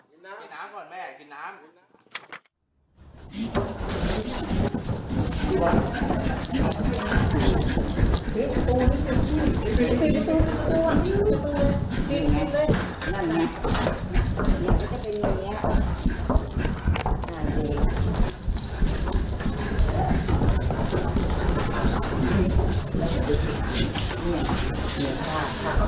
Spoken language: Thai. กินน้ำก่อนแม่กินน้ำ